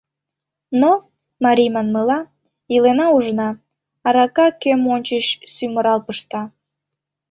Но, марий манмыла, илена — ужына, арака кӧм ончыч сӱмырал пышта.